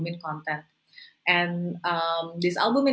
dan juga konten albumin